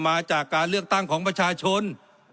มาจากการเลือกตั้งของประชาชน